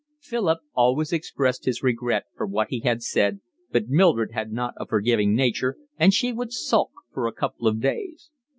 Philip always expressed his regret for what he had said, but Mildred had not a forgiving nature, and she would sulk for a couple of days.